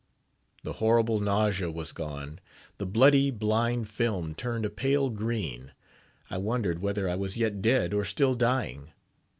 The horrible nausea was gone; the bloody, blind film turned a pale green; I wondered whether I was yet dead, or still dying.